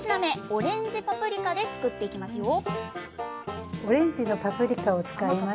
オレンジパプリカで作っていきますよ